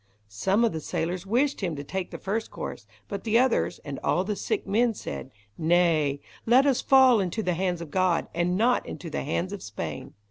Some of the sailors wished him to take the first course, but the others, and all the sick men, said: "Nay, let us fall into the hands of God, and not into the hands of Spain."